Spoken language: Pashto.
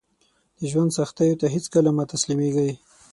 د ژوند سختیو ته هیڅکله مه تسلیمیږئ